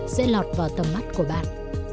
sẽ lọt vào tầm mắt của bạn